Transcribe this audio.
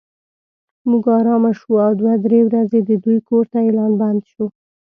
موږ ارامه شوو او دوه درې ورځې د دوی کور ته اعلان بند و.